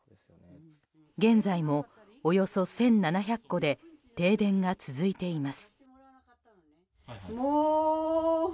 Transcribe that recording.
現在もおよそ１７００戸で停電が続いています。